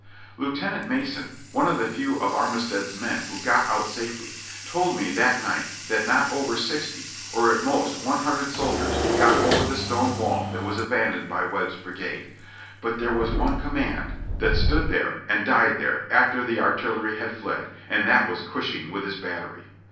Lieutenant Mason, one of the few of Armistead's men who got out safely, told me that night that not over sixty, or at the most one hundred soldiers, got over the stone wall that was abandoned by W^ebb's brigade : but there was one command that stood there and died there after the infantry had fled, and that w^as Gushing with his battery.